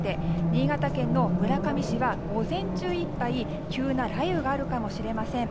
新潟県の村上市は午前中いっぱい急な雷雨があるかもしれません。